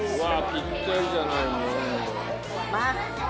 ぴったりじゃないの。